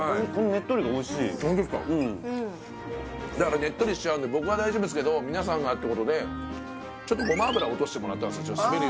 ねっとりしちゃうんで僕は大丈夫ですけど皆さんがってことでちょっとごま油落としてもらったんですよ